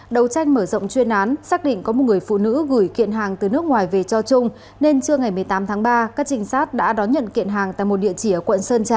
đầu tranh mở rộng chuyên án xác định có một người phụ nữ gửi kiện hàng từ nước ngoài về cho trung nên trưa ngày một mươi tám tháng ba các trinh sát đã đón nhận kiện hàng tại một địa chỉ ở quận sơn trà